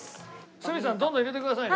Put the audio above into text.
鷲見さんどんどん入れてくださいね。